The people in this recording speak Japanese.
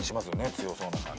強そうな感じ。